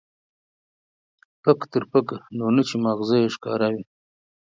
پک تر پکه، نو نه چې ما غزه يې ښکاره وي.